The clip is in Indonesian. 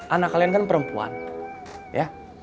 anak kalian kan perempuan ya